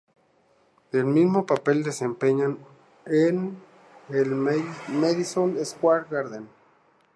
El mismo papel desempeña en el Madison Square Garden.